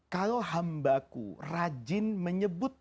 kalau hambaku rajin menyebut